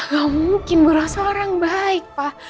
enggak mungkin berosa orang baik pak